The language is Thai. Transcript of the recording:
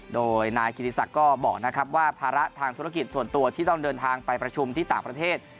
โดยนายกิติศักดิ์ก็บอกนะครับว่าภาระทางธุรกิจส่วนตัวที่ต้องเดินทางไปประชุมที่ต่างประเทศ